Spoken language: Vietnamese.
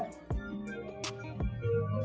kỹ năng năm